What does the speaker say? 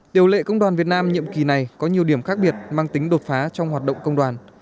điều lệ công đoàn việt nam nhiệm kỳ này có nhiều điểm khác biệt mang tính đột phá trong hoạt động công đoàn